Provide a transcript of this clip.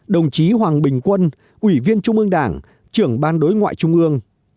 đồng chí hoàng bình quân ủy viên trung ương đảng trưởng ban đối ngoại trung ương